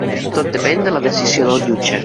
Tot depèn de la decisió del jutge.